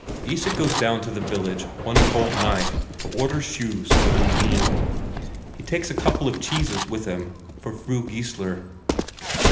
Isak goes down to the village one cold night, to order shoes for Oline. He takes a couple of cheeses with him, for Fru Geissler.